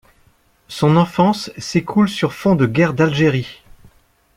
Son enfance s'écoule sur fond de guerre d'Algérie.